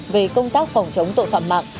về công tác phòng chống tội phạm mạng